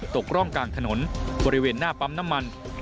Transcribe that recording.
ตกร่องกลางถนนบริเวณหน้าปั๊มน้ำมัน